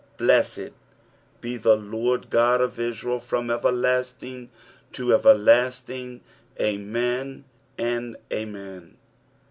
13 Blessed de the LORD God of Israel from everlasting, and to everlasting. Amen and Amen.